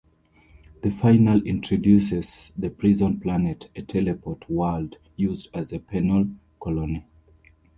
The finale introduces the Prison Planet, a teleport world used as a penal colony.